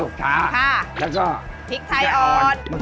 ชุดให้น้ำตาและก็พริกไทยฟื้น